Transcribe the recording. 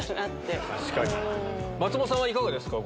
松本さんはいかがですか？